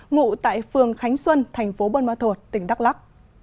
ngụ tại phường khánh xuân thành phố buôn ma thuột tỉnh đắk lắc